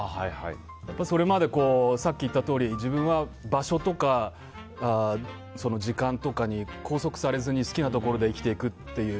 やっぱり、それまでさっき言ったとおり自分は場所とか時間とかに拘束されずに好きなところで生きていくという。